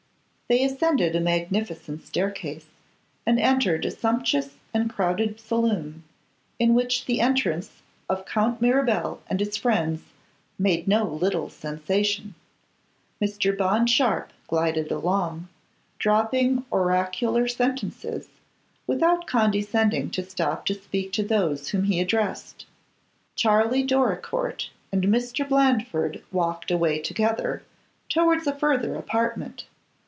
They ascended a magnificent staircase, and entered a sumptuous and crowded saloon, in which the entrance of Count Mirabel and his friends made no little sensation. Mr. Bond Sharpe glided along, dropping oracular sentences, without condescending to stop to speak to those whom he addressed. Charley Doricourt and Mr. Blandford walked away together, towards a further apartment.